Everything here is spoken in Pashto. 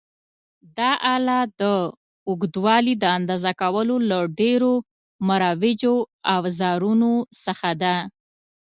دا آله د اوږدوالي د اندازه کولو له ډېرو مروجو اوزارونو څخه ده.